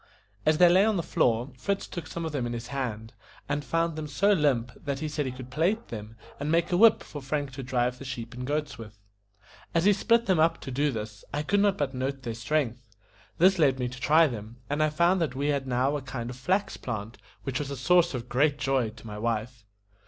As they lay on the floor, Fritz took some of them in his hand, and found them so limp, that he said he could plait them, and make a whip for Frank to drive the sheep and goats with. As he split them up to do this, I could not but note their strength. This led me to try them, and I found that we had now a kind of flax plant, which was a source of great joy to my wife.